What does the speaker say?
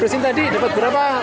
presiden tadi dapat berapa